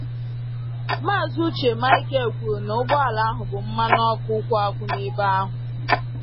Maazị Uche Michael kwuru na ụgbọala ahụ bu mmanụ ọkụ kwụ akwụ n'ebe ahụ